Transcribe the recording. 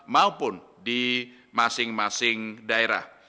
maupun di masing masing daerah